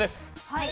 はい。